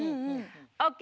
ＯＫ